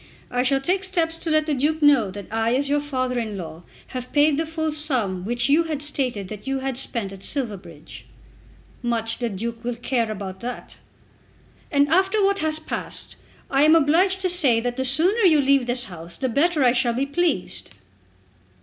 I shall take steps to let the Duke know that I as your father in law had paid the full sum which you had stated that you had spent at Silverbridge." "Much the Duke will care about that." "And after what has passed I am obliged to say that the sooner you leave this house the better I shall be pleased."